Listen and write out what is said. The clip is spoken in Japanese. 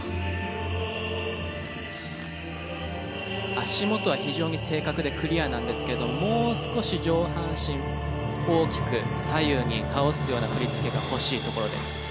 足元は非常に正確でクリアなんですけどもう少し上半身大きく左右に倒すような振り付けが欲しいところです。